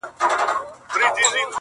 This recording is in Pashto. زما په جونګړه کي بلا وکره.!